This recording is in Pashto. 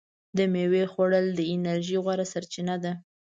د میوې خوړل د انرژۍ غوره سرچینه ده.